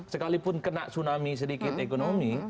sekalipun kena tsunami sedikit ekonomi